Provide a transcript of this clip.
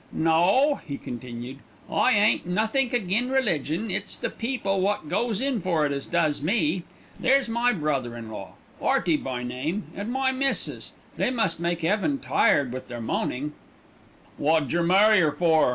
"No," he continued, "I ain't nothink agin' religion; it's the people wot goes in for it as does me. There's my brother in law, 'Earty by name, an' my missis they must make 'eaven tired with their moanin'." "Wot jer marry 'er for?"